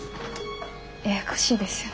ややこしいですよね。